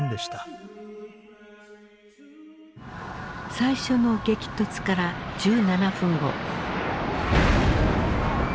最初の激突から１７分後。